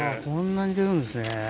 こんなに出るんですね。